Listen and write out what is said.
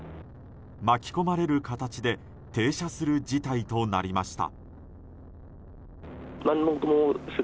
巻き込まれる形で停車する事態となりました。